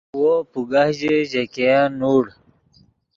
وو پوگہ ژے، ژے ګین نوڑ